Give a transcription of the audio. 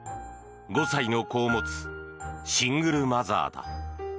５歳の子を持つシングルマザーだ。